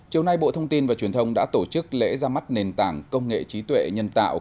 chiều nay bộ thông tin và truyền thông đã tổ chức lễ ra mắt nền tảng công nghệ trí tuệ nhân tạo